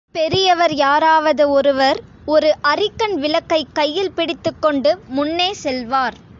பெரியவர் யாராவது ஒருவர், ஒரு அரிக்கன் விளக்கைக் கையில் பிடித்துக் கொண்டு முன்னே செல்வார்.